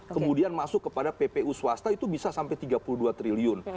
kemudian masuk kepada ppu swasta itu bisa sampai tiga puluh dua triliun